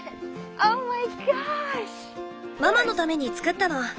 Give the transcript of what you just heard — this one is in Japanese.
ママのために作ったの。